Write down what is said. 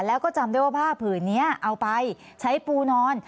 แล้วก็จำได้ว่าผ้าผืนนี้เอาไปใช้ปูนอน